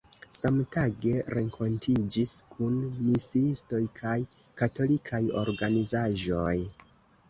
Samtage renkontiĝis kun misiistoj kaj katolikaj organizaĵoj.